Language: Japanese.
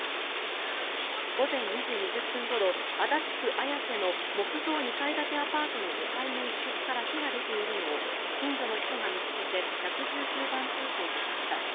午前２時２０分ごろ足立区綾瀬の木造２階建てアパートの２階の一室から火が出ているのを近所の人が見つけて１１９番通報しました。